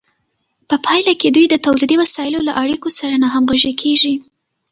په پایله کې دوی د تولیدي وسایلو له اړیکو سره ناهمغږې کیږي.